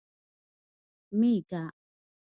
🐑 مېږه